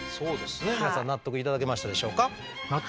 皆さん納得頂けましたでしょうか？